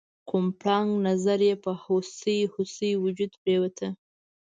کوم پړانګ نظر یې په هوسۍ هوسۍ وجود پریوته؟